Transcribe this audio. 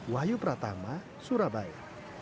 wahyu pratama surabaya